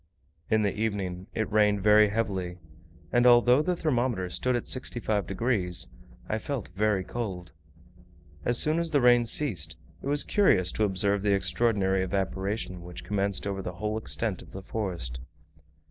In the evening it rained very heavily, and although the thermometer stood at 65 degs., I felt very cold. As soon as the rain ceased, it was curious to observe the extraordinary evaporation which commenced over the whole extent of the forest.